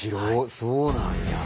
そうなんや。